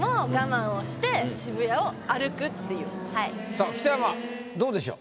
さあ北山どうでしょう？